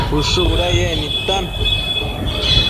Ushë budayec nidtan